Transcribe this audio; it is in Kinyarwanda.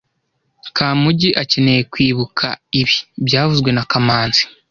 Kamugi akeneye kwibuka ibi byavuzwe na kamanzi